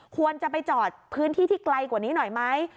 ควรจะไปจอดพื้นที่ที่ไกลกว่านี้หน่อยไหม